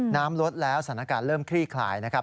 น้ำลดแล้วสถานการณ์เริ่มคลี่คลายนะครับ